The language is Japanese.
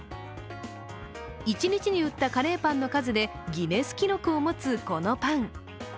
一日に売ったカレーパンの数でギネス記録を持つこのパン。